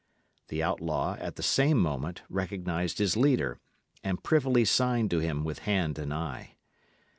The outlaw, at the same moment, recognised his leader, and privily signed to him with hand and eye.